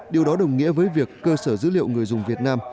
điều đó đồng nghĩa với việc cơ sở dữ liệu người dùng việt nam